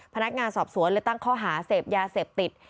พนักงานสอบสวนเลยตั้งข้อหาเสพยาเสพติด